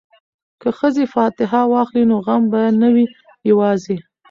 که ښځې فاتحه واخلي نو غم به نه وي یوازې.